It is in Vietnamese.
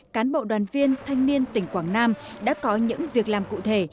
cán bộ đoàn viên thanh niên tỉnh quảng nam đã có những việc làm cụ thể